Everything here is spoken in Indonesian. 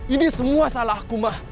ini semua salah aku ma